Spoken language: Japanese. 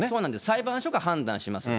裁判所が判断します。